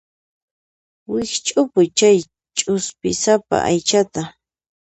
Wikch'upuy chay ch'uspisapa aychata.